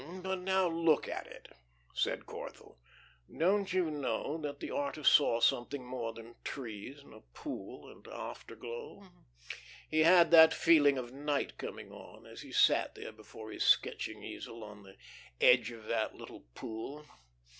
"But now look at it," said Corthell. "Don't you know that the artist saw something more than trees and a pool and afterglow? He had that feeling of night coming on, as he sat there before his sketching easel on the edge of that little pool.